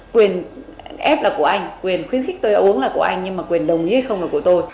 quyền ép là của anh quyền khuyến khích tôi uống là của anh nhưng mà quyền đồng ý hay không là của tôi